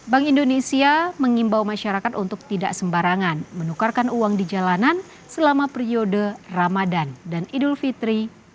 bank indonesia mengimbau masyarakat untuk tidak sembarangan menukarkan uang di jalanan selama periode ramadan dan idul fitri